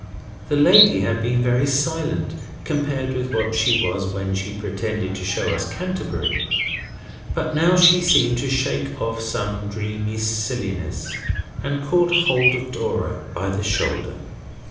The lady had been very silent compared with what she was when she pretended to show us Canterbury. But now she seemed to shake off some dreamy silliness, and caught hold of Dora by the shoulder.